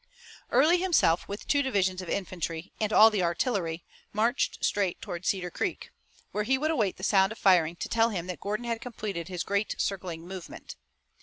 Early himself, with two divisions of infantry and all the artillery, marched straight toward Cedar Creek, where he would await the sound of firing to tell him that Gordon had completed his great circling movement.